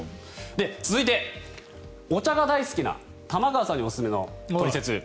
続いてお茶が大好きな玉川さんにおすすめのトリセツ。